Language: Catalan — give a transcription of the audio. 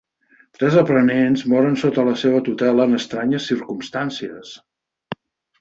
Tres aprenents moren sota la seva tutela en estranyes circumstàncies.